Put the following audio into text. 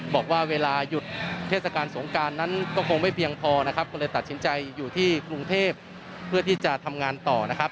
บอกว่าเวลาหยุดเทศกาลสงการนั้นก็คงไม่เพียงพอนะครับก็เลยตัดสินใจอยู่ที่กรุงเทพเพื่อที่จะทำงานต่อนะครับ